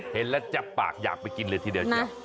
เห็นแล้วแจบปากอยากไปกินเลยทีเดียว